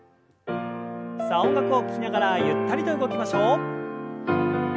さあ音楽を聞きながらゆったりと動きましょう。